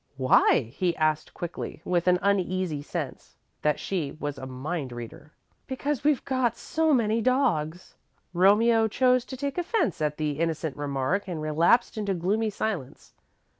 "Why?" he asked quickly, with an uneasy sense that she was a mind reader. "Because we've got so many dogs." Romeo chose to take offence at the innocent remark and relapsed into gloomy silence.